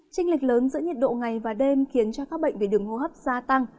trinh lịch lớn giữa nhiệt độ ngày và đêm khiến cho các bệnh về đường hô hấp gia tăng